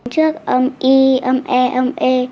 trước âm y âm e âm e